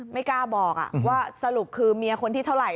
ไม่กล้าบอกว่าสรุปคือเมียคนที่เท่าไห